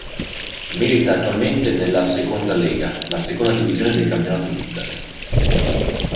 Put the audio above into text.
Milita attualmente nella Seconda Lega, la seconda divisione del campionato bulgaro.